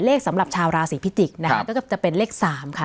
สำหรับชาวราศีพิจิกษ์นะคะก็จะเป็นเลข๓ค่ะ